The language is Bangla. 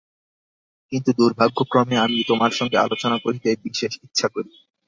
কিন্তু দুর্ভাগ্যক্রমে, আমি তোমার সঙ্গে আলোচনা করিতে বিশেষ ইচ্ছা করি।